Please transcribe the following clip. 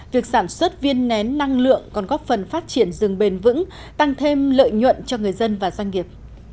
việc sản xuất viên nén năng lượng còn góp phần phát triển rừng bền vững tăng thêm lợi nhuận cho người dân và doanh nghiệp